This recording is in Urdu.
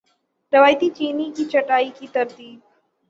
روایتی چینی کی چھٹائی کی ترتیب